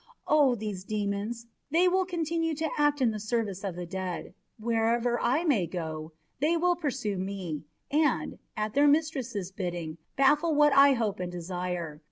O these demons! They will continue to act in the service of the dead. Wherever I may go, they will pursue me and, at their mistress's bidding, baffle what I hope and desire.